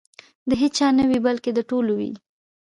د هیچا نه وي بلکې د ټولو وي.